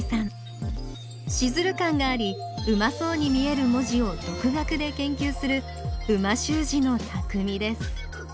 シズル感がありうまそうに見える文字を独学で研究する美味しゅう字のたくみです